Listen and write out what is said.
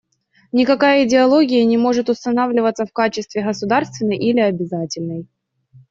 Никакая идеология не может устанавливаться в качестве государственной или обязательной.